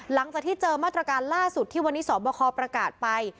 หลังจากที่เจอมาตรการล่าสุดที่วันนี้สอบคอประกาศไป